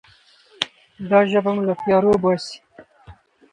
دا ژبه مو له تیارو باسي.